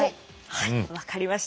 はい分かりました。